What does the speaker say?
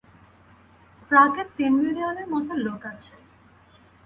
প্রাগে তিন মিলিয়নের মতো লোক আছে।